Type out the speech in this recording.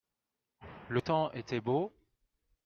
le temps était beau.